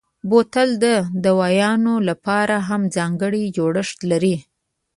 بوتل د دوایانو لپاره هم ځانګړی جوړښت لري.